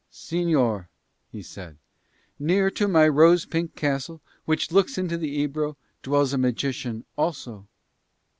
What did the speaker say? "Señor," he said, "near to my rose pink castle which looks into the Ebro dwells a magician also."